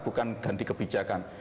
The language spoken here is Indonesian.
bukan ganti kebijakan